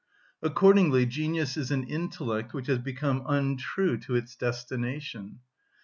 Accordingly genius is an intellect which has become untrue to its destination.